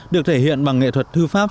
được thể hiện bằng nghệ thuật thư pháp